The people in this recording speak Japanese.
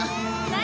何？